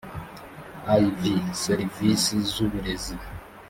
iv serivisi z uburezi